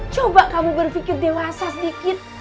coba kamu berpikir dewasa sedikit